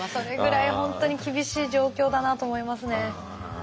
それぐらい本当に厳しい状況だなと思いますね。